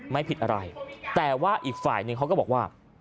ไม่ผิดอะไรแต่ว่าอีกฝ่ายหนึ่งเขาก็บอกว่า